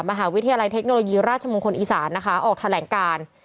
มหาวิทยาลัยเทคโนโลยีราชมงคลอีสานนะคะออกแถลงการ